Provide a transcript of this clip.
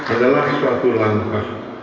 adalah suatu langkah